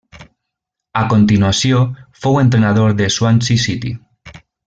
A continuació fou entrenador de Swansea City.